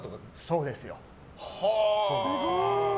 そうですよ。